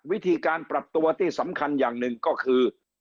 วิธีการปรับตัวที่สำคัญอย่างหนึ่งก็คือ